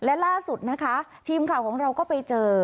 และล่าสุดนะคะทีมข่าวของเราก็ไปเจอ